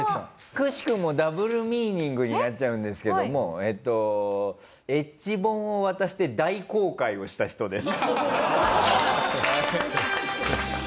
くしくもダブルミーニングになっちゃうんですけどもＨ本を渡して大航海をした人です。